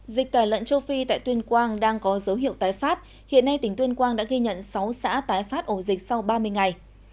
dịch tả lợn châu phi tại tuyên quang đang có dấu hiệu tái phát hiện nay tỉnh tuyên quang đã ghi nhận sáu xã tái phát ổ dịch sau ba mươi ngày